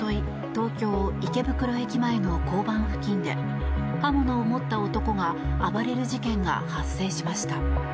東京・池袋駅前の交番付近で刃物を持った男が暴れる事件が発生しました。